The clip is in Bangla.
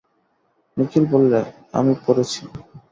নিখিল বললে, আমি পড়েছি।